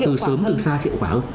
từ sớm từ xa hiệu quả hơn